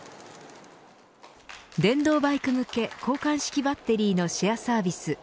電動バイク向け交換式バッテリーのシェアサービス